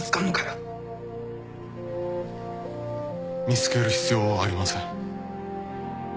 ・見つける必要はありません。